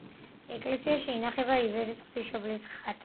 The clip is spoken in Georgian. ეკლესიაში ინახება ივერიის ღვთისმშობლის ხატი.